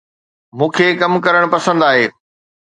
مون کي ڪم ڪرڻ پسند آهي